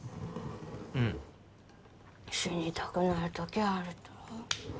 うん死にたくなる時あると？